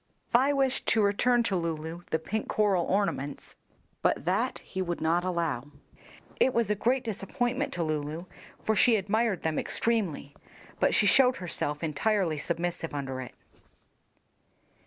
Vi wished to return to Lulu the pink coral ornaments, but that he would not allow. It was a great disappointment to Lulu, for she admired them extremely, but she showed herself entirely submissive under it.